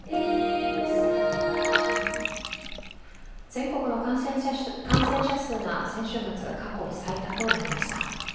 全国の感染者数が先週末、過去最多となりました。